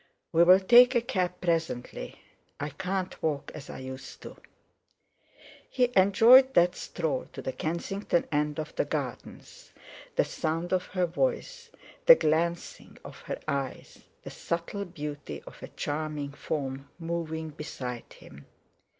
We'll take a cab presently; I can't walk as I used to." He enjoyed that stroll to the Kensington end of the gardens—the sound of her voice, the glancing of her eyes, the subtle beauty of a charming form moving beside him.